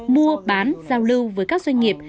mua bán giao lưu với các doanh nghiệp